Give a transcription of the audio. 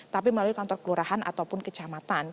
tapi melalui kantor kelurahan ataupun kecamatan